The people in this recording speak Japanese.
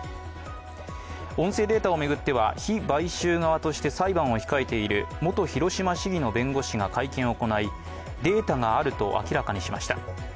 音声データを巡っては被買収側として裁判を控えている元広島市議の弁護士が会見を行いデータがあると明らかにしました。